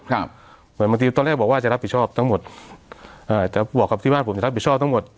เหมือนบางทีตอนแรกบอกว่าจะรับผิดชอบทั้งหมดอ่าจะบอกกับที่บ้านผมจะรับผิดชอบทั้งหมด